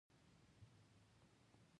هغه هغې ته د پاک هیلې ګلان ډالۍ هم کړل.